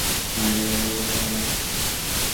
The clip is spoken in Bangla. তোমাদের হাড্ডির কোনো মূল্য নেই আমার কাছে।